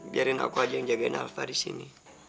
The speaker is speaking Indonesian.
biarin aku aja yang jagain alva disini